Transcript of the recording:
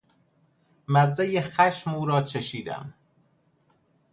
مزهی خشم او را چشیدم.